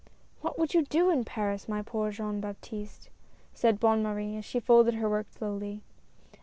" What would you do in Paris, my poor dear Jean Baptiste," said Bonne Marie, as she folded her work slowly.